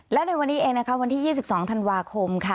และในวันนี้เองนะคะวันที่๒๒ธันวาคมค่ะ